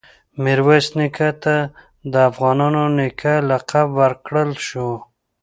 میرویس نیکه ته د “افغانانو نیکه” لقب ورکړل شو.